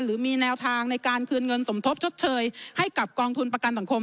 หรือมีแนวทางในการคืนเงินสมทบชดเชยให้กับกองทุนประกันสังคม